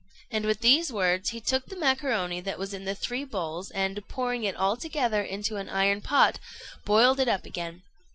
And with these words he took the macaroni that was in the three bowls, and, pouring it altogether into an iron pot, boiled it up again.